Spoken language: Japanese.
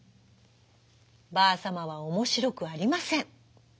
ばあさまはおもしろくありません。